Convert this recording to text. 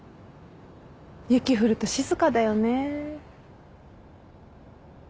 雪降ると静かだよね。